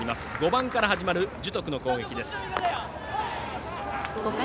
５番から始まる樹徳の攻撃。